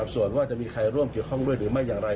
ส่วนว่าจะมีใครร่วมเกี่ยวข้องด้วยหรือไม่อย่างไร